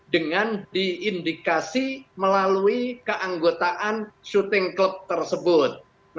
dengan diindikasi melalui keanggotaan syuting klub tersebut